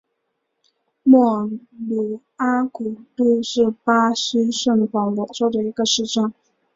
莫鲁阿古杜是巴西圣保罗州的一个市镇。